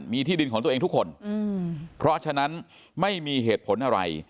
มีที่ดินของตัวเองทุกคนเพราะฉะนั้นไม่มีเหตุผลอะไร